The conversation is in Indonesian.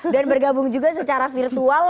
dan bergabung juga secara virtual